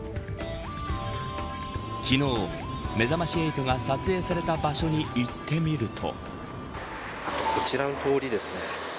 昨日、めざまし８が撮影された場所に行ってみると。